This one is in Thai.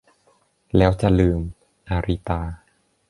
แล้วจะลืม - อาริตา